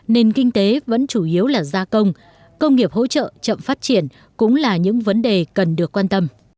nền kinh tế vẫn chủ yếu là gia công công nghiệp hỗ trợ chậm phát triển cũng là những vấn đề cần được quan tâm